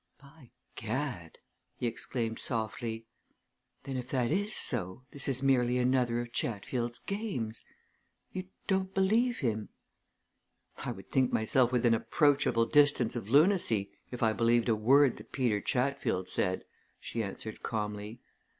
"By gad!" he exclaimed softly. "Then, if that is so, this is merely another of Chatfield's games. You don't believe him?" "I would think myself within approachable distance of lunacy if I believed a word that Peter Chatfield said," she answered calmly.